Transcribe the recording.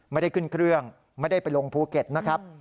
ไม่ได้ไปลงภูเก็ตนะครับ